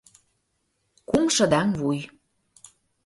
КУМ ШЫДАҤ ВУЙ